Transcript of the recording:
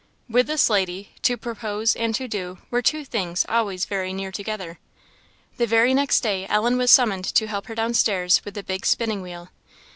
With this lady, to propose and to do were two things always very near together. The very next day Ellen was summoned to help her down stairs with the big spinning wheel.